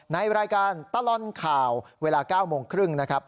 ในรายการตลอดข่าวเวลา๙โมงครึ่งนะครับ